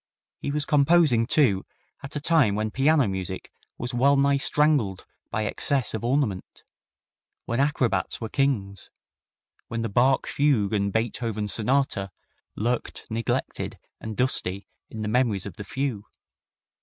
He was composing, too, at a time when piano music was well nigh strangled by excess of ornament, when acrobats were kings, when the Bach Fugue and Beethoven Sonata lurked neglected and dusty in the memories of the few.